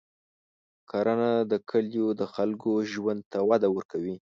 کرنه د کلیو د خلکو ژوند ته وده ورکوي.